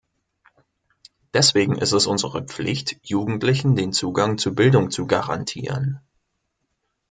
Deswegen ist es unsere Pflicht, Jugendlichen den Zugang zu Bildung zu garantieren.